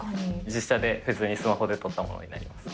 実写で、普通にスマホで撮ったものになります。